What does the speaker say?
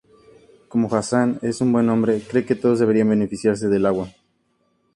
Como Hassan es un buen hombre, cree que todos deberían beneficiarse del agua.